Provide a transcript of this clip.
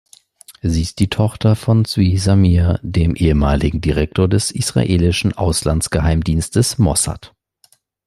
Sie ist die Tochter von Zvi Zamir, dem ehemaligen Direktor des israelischen Auslandsgeheimdienstes Mossad.